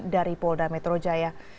dari polda metro jaya